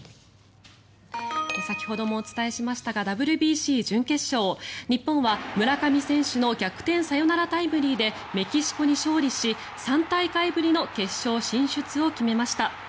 先ほどもお伝えしましたがＷＢＣ準決勝日本は村上選手の逆転サヨナラタイムリーでメキシコに勝利し３大会ぶりの決勝進出を決めました。